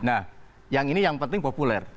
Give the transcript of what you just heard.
nah yang ini yang penting populer